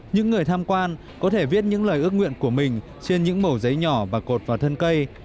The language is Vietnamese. những người tham quan có thể viết những lời ước nguyện của mình trên những mẫu giấy nhỏ và cột vào thân cây